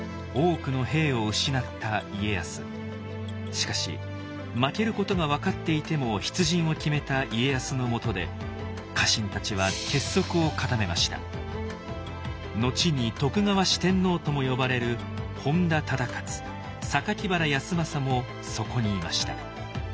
しかし負けることが分かっていても出陣を決めた家康のもとで後に徳川四天王とも呼ばれる本多忠勝原康政もそこにいました。